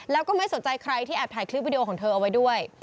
แล้วก็ไม่สนใจใครที่แอบถ่ายคลิปวิดีโอของเธอเอาไว้ด้วย